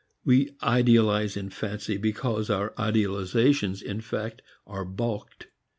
We idealize in fancy because our idealizations in fact are balked.